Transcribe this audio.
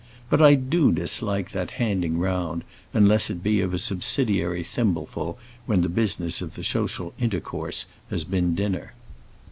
But I do dislike that handing round, unless it be of a subsidiary thimbleful when the business of the social intercourse has been dinner.